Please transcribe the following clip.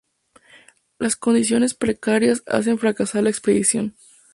Las condiciones precarias hacen fracasar la expedición.